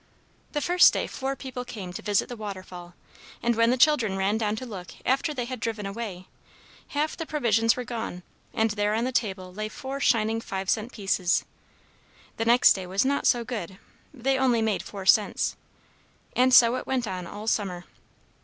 The first day four people came to visit the waterfall; and when the children ran down to look, after they had driven away, half the provisions were gone, and there on the table lay four shining five cent pieces! The next day was not so good; they only made four cents. And so it went on all summer.